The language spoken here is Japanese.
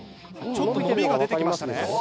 ちょっと伸びが出て来ましたね。